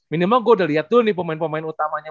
minimal gue udah lihat dulu nih pemain pemain utamanya